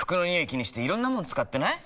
気にしていろんなもの使ってない？